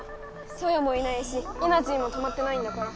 ソヨもいないしエナジーもたまってないんだから。